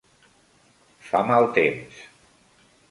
Fa mal temps.